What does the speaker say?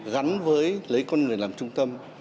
gắn với lấy con người làm trung tâm